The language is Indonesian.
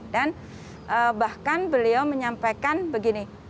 dan bahkan beliau menyampaikan begini